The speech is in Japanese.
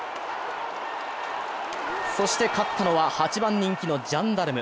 そして勝ったのは８番人気のジャンダルム。